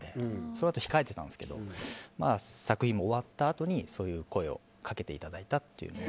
そのあと控えてたんですけど作品も終わったあとにそういう声をかけていただいたと。